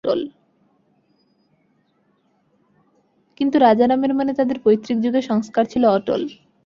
কিন্তু রাজারামের মনে তাঁদের পৈত্রিক যুগের সংস্কার ছিল অটল।